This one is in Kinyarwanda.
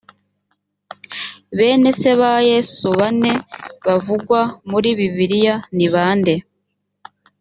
bene se ba yesu bane bavugwa muri bibiliya ni bande